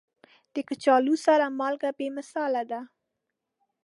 د کچالو سره مالګه بې مثاله ده.